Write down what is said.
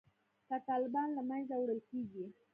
که طالبان له منځه وړل کیږي